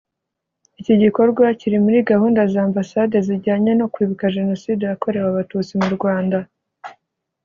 Iki gikorwa kiri muri gahunda z’Ambasade zijyanye no Kwibuka Jenoside yakorewe abatutsi mu Rwanda